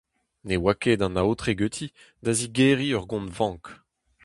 Ne oa ket an aotre ganti da zigeriñ ur gont-vank.